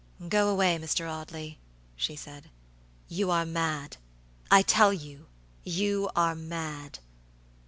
"Go away, Mr. Audley," she said. "You are mad, I tell you, you are mad."